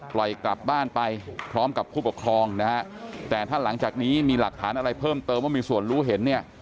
กลับบ้านไปพร้อมกับผู้ปกครองนะฮะแต่ถ้าหลังจากนี้มีหลักฐานอะไรเพิ่มเติมว่ามีส่วนรู้เห็นเนี่ย